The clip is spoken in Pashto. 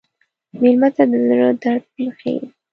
مېلمه ته د زړه درد مه ښیې.